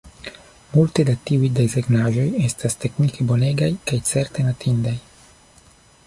Multe da tiuj desegnaĵoj estas teknike bonegaj kaj certe notindaj.